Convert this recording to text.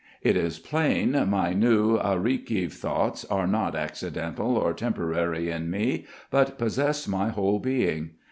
It is plain my new, Arakheev thoughts are not accidental or temporary in me, but possess my whole being.